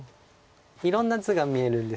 いろんな図が見えるんです